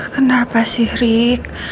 kenapa sih rik